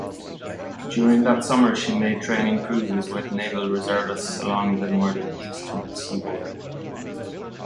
During that summer she made training cruises with Naval Reservists along the northeastern seaboard.